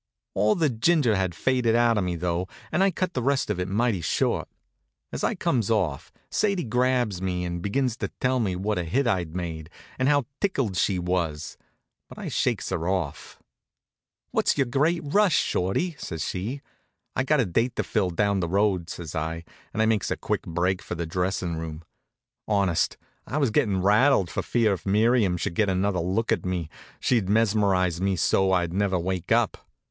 All the ginger had faded out of me, though, and I cut the rest of it mighty short. As I comes off, Sadie grabs me and begins to tell me what a hit I'd made, and how tickled she was, but I shakes her off. "What's your great rush, Shorty?" says she. "I've got a date to fill down the road," says I, and I makes a quick break for the dressin' room. Honest, I was gettin' rattled for fear if Miriam should get another look at me she'd mesmerize me so I'd never wake up.